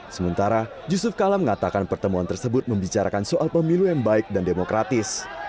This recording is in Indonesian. sementara yusuf kala mengatakan pertemuan tersebut membicarakan soal pemilu yang baik dan demokratis